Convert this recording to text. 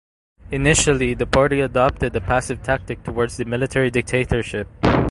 Initially the party adopted a passive tactic towards the military dictatorship.